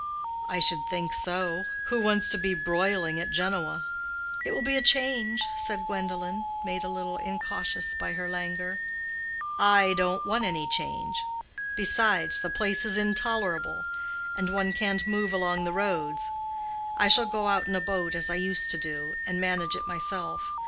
"I should think so. Who wants to be broiling at Genoa?" "It will be a change," said Gwendolen, made a little incautious by her languor. "I don't want any change. Besides, the place is intolerable; and one can't move along the roads. I shall go out in a boat, as I used to do, and manage it myself.